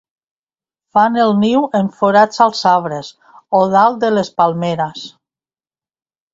Fan el niu en forats als arbres o dalt de les palmeres.